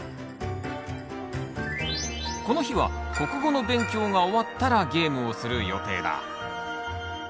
この日は国語の勉強が終わったらゲームをする予定だ。